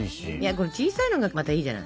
これ小さいのがまたいいじゃない。